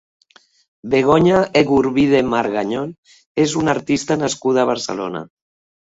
Begoña Egurbide Margañón és una artista nascuda a Barcelona.